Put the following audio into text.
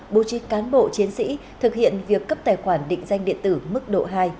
bố trí cán bộ chiến sĩ thực hiện việc cấp tài khoản định danh điện tử mức độ hai